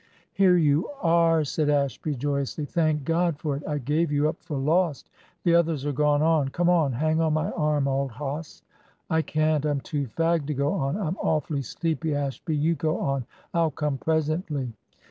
"Here you are!" said Ashby, joyously. "Thank God for it! I gave you up for lost. The others are gone on. Come on. Hang on my arm, old hoss." "I can't; I'm too fagged to go on. I'm awfully sleepy, Ashby. You go on; I'll come presently."